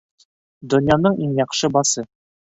Донъяның иң яҡшы басы.